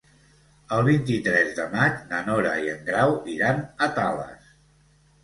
El vint-i-tres de maig na Nora i en Grau iran a Tales.